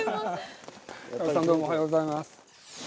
どうもおはようございます。